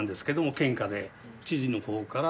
県下で知事の方から。